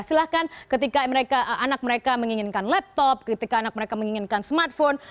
silahkan ketika anak mereka menginginkan laptop ketika anak mereka menginginkan smartphone